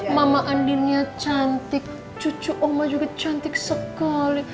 mama andi nya cantik cucu oma juga cantik sekali